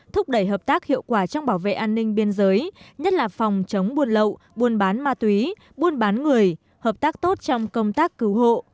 thúc đẩy hợp tác hiệu quả trong bảo vệ an ninh biên giới nhất là phòng chống buôn lậu buôn bán ma túy buôn bán người hợp tác tốt trong công tác cứu hộ